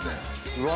うわ